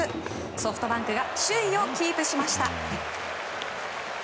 ソフトバンクが首位をキープしました。